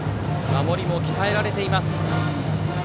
守りも鍛えられています。